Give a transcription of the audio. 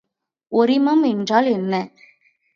ஒரிமம் என்றால் என்ன?